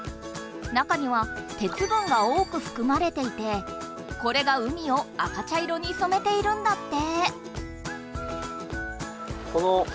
中には「鉄分」が多くふくまれていてこれが海を赤茶色にそめているんだって。